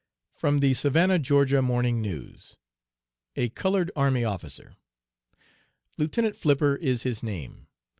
(From the Savannah (Ga.) Morning News.) A COLORED ARMY OFFICER. "Lieutenant Flipper is his name.